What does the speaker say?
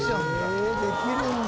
へえできるんだ。